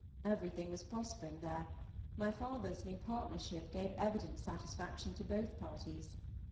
Everything was prospering there; my father's new partnership gave evident satisfaction to both parties.